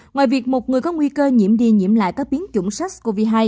ngoài việc một người có nguy cơ nhiễm đi nhiễm lại các biến chủng sars cov hai